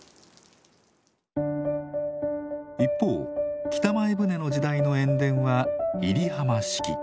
一方北前船の時代の塩田は入浜式。